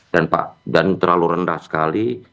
dan pak jangan terlalu rendah sekali